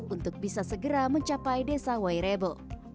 untuk bisa segera mencapai desa wairebo